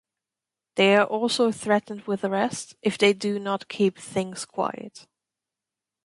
They are also threatened with arrest if they do not keep things quiet.